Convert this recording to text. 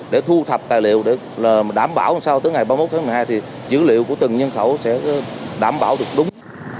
để thu thập tài liệu để đảm bảo làm sao tới ngày ba mươi một tháng một mươi hai thì dữ liệu của từng nhân khẩu sẽ đảm bảo được đúng